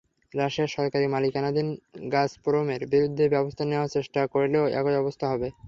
রাশিয়ার সরকারি মালিকানাধীন গাজপ্রমের বিরুদ্ধে ব্যবস্থা নেওয়ার চেষ্টা করলেও একই অবস্থা হবে।